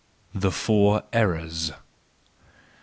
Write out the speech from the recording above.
The Four Errors .